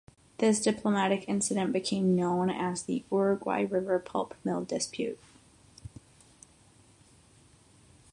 This diplomatic incident became known as the "Uruguay River pulp mill dispute".